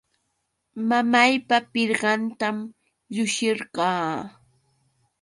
Mamaypa pirqantam llushirqaa.